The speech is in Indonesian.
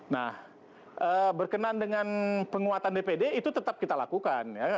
nah berkenan dengan penguatan dpd itu tetap kita lakukan